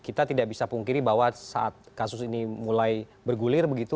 kita tidak bisa pungkiri bahwa saat kasus ini mulai bergulir begitu